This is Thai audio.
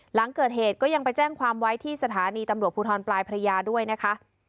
หลังเกิดเหตุก็ยังไปแจ้งความไว้ที่สถานีตำรวจภูทรปลายพระยาด้วยนะคะ